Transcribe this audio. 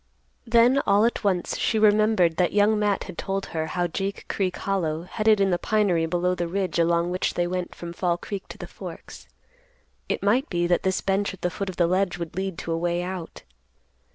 Then all at once she remembered that Young Matt had told her how Sake Creek hollow headed in the pinery below the ridge along which they went from Fall Creek to the Forks. It might be that this bench at the foot of the ledge would lead to a way out.